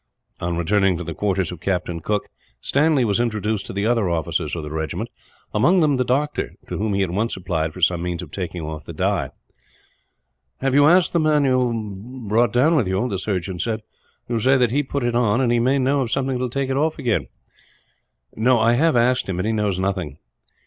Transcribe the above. On returning to the quarters of Captain Cooke, Stanley was introduced to the other officers of the regiment; among them the doctor, to whom he at once applied for some means of taking off the dye. "Have you asked the man you brought down with you?" the surgeon said. "You say that he put it on, and he may know of something that will take it off again." "No; I have asked him, and he knows of nothing.